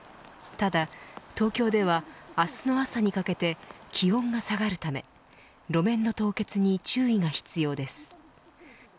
ただ東京では明日の朝にかけて気温が下がるため路面の凍結に注意が必要です。